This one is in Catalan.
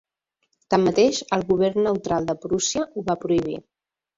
Tanmateix, el govern neutral de Prússia ho va prohibir.